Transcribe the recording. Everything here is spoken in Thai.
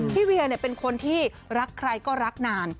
พี่เวียเนี่ยเป็นคนที่รักใครก็รักนาน